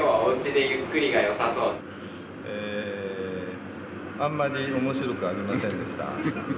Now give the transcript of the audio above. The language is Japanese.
あんまり面白くありませんでした。